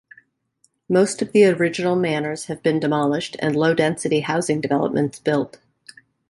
Most of the original manors have been demolished and low density housing developments built.